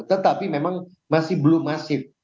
tetapi memang masih belum masif